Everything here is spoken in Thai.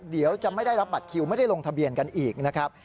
เดี๋ยวจะไม่ได้รับบัตรคิวไม่ได้ลงทะเบียนกันอีกนะครับ